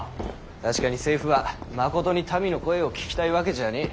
確かに政府はまことに民の声を聞きたいわけじゃねぇ。